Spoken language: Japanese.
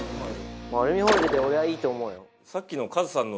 アルミホイルで俺はいいと思うよ。